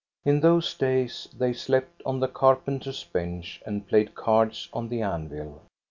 In those days they slept on the carpenter's bench and played cards on the anvil.